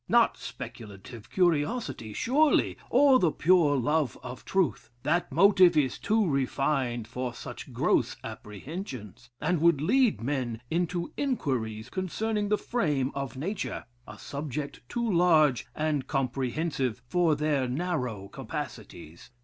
Not speculative curiosity, surely, or the pure love of truth. That motive is too refined for such gross apprehensions; and would lead men into inquiries concerning the frame of nature, a subject too large and comprehensive for their narrow capacities.